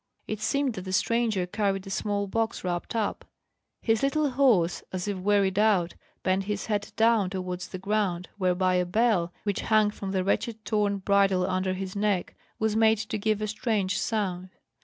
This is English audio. It seemed that the stranger carried a small box wrapped up; his little horse, as if wearied out, bent his head down towards the ground, whereby a bell, which hung from the wretched torn bridle under his neck, was made to give a strange sound.